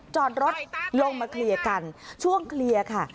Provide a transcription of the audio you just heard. จอดรถลงมาเคลียร์กันช่วงเคลียร์ค่ะ